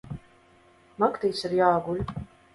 Naktīs ir jāguļ.